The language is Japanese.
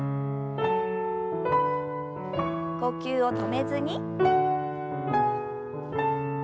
呼吸を止めずに。